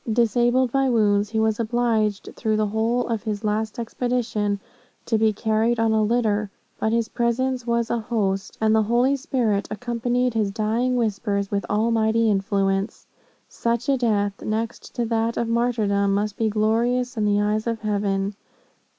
Disabled by wounds, he was obliged through the whole of his last expedition, to be carried on a litter; but his presence was a host, and the Holy Spirit accompanied his dying whispers with almighty influence. Such a death, next to that of martyrdom, must be glorious in the eyes of Heaven.